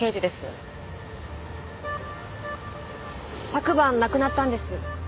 昨晩亡くなったんです。